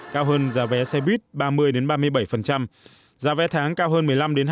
cao hơn giá vé xe buýt ba mươi ba mươi bảy giá vé tháng cao hơn một mươi năm hai mươi